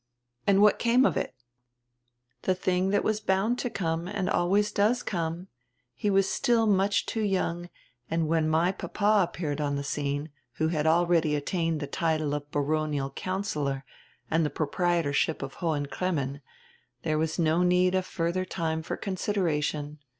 "And what came of it?" "The tiling that was bound to come and always does come. He was still much too young and when my papa appealed on die scene, who had already attained die title of baronial councillor and die proprietorship of Hohen Cremmen, diere was no need of furdier time for considera tion.